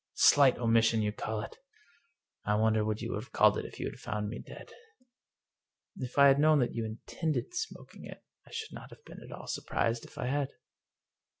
" Slight omission, you call it! I wonder what you would have called it if you had found me dead." " If I had known that you intended smoking it I should not have been at all surprised if I had."